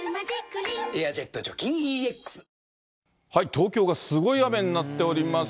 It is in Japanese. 東京がすごい雨になっております。